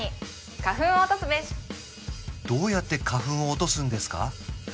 どうやって花粉を落とすんですか？